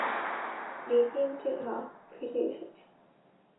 ডিভিয়েন্টরা ফিরে এসেছে।